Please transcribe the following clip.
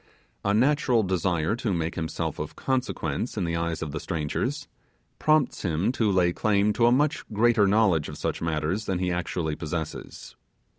A natural desire to make himself of consequence in the eyes of the strangers, prompts him to lay claim to a much greater knowledge of such matters than he actually possesses.